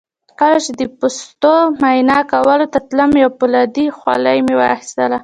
کله چې د پوستو معاینه کولو ته تلم یو فولادي خولۍ مې اخیستله.